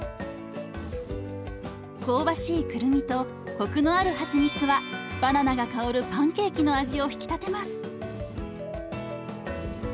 香ばしいくるみとコクのあるはちみつはバナナが香るパンケーキの味を引き立てます。